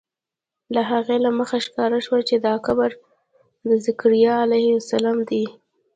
له هغې له مخې ښکاره شوه چې دا قبر د ذکریا علیه السلام دی.